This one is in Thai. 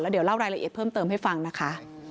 เดี๋ยวเล่ารายละเอียดเพิ่มเติมให้ฟังนะคะ